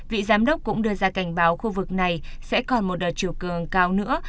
vị giám đốc cũng đưa ra cảnh báo khu vực này sẽ còn một đợt chiều cường cao nữa